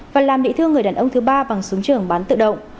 và làm địa thương người đàn ông thứ ba bằng súng trường bắn tự động